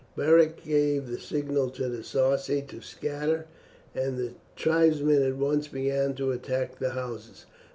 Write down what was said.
Beric gave the signal for the Sarci to scatter, and the tribesmen at once began to attack the houses.